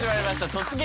「突撃！